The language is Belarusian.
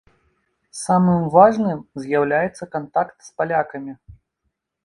Самым важным з'яўляецца кантакт з палякамі.